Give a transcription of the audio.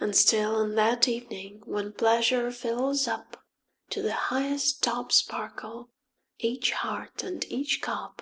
And still on that evening, when pleasure fills up ID To the highest top sparkle each heart and each cup.